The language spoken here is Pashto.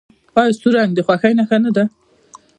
آیا سور رنګ د خوښۍ نښه نه ده؟